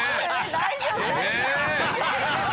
大丈夫？